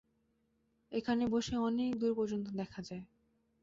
এখানে বসে অনেক দূর পর্যন্ত দেখা যায়।